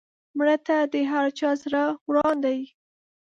مړه ته د هر چا زړه وران دی